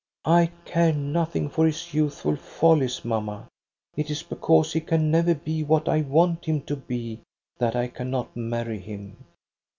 '"' I care nothing for his youthful follies, mamma; it is because he can never be what I want him to be that I cannot marry him.